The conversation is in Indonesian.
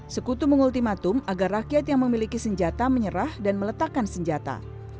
sekutu mengultimatum agar rakyat yang memiliki senjata menyerah dan meletakkan senjata